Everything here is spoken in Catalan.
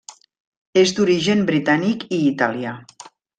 És d'origen britànic i italià.